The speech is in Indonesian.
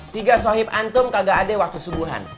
tiga sohib antum kagak ada waktu subuhan